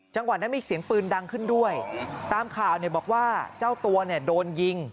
จังหวัดนั้นมีเสียงปืนดังขึ้นด้วยตามข่าวเนี่ยบอกว่าเจ้าตัวเนี่ยโดนยิง